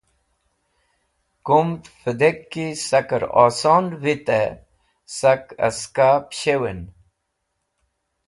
Kumd vẽdek ki sakẽr oson vitẽ sak aska pẽs̃hewẽn.